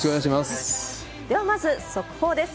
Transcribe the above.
ではまず、速報です。